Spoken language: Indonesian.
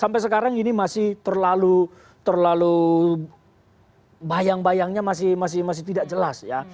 karena sekarang ini masih terlalu bayang bayangnya masih tidak jelas ya